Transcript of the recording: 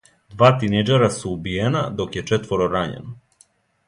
Два тинејџера су убијена, док је четворо рањено.